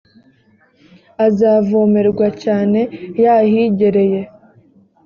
azavomerwa cyane yahigereye